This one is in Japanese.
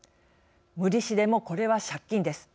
無利子でもこれは借金です。